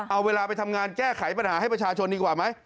เอาเวลาไปทำงานแก้ไขปัญหาให้ประชาชนดีกว่าไหม